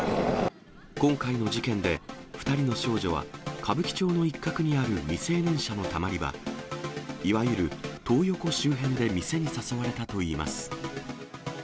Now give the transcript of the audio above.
今回の事件で２人の少女は、歌舞伎町の一角にある未成年者のたまり場、いわゆるトー横周辺で店に誘われたといいます。